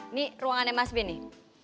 ini ruangannya mas ben nih